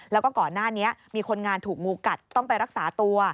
แล้วก็ก่อนหน้านี้มีคนงานถูกงูกัดต้องไปรักษาตัว